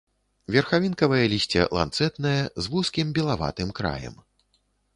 Верхавінкавае лісце ланцэтнае з вузкім белаватым краем.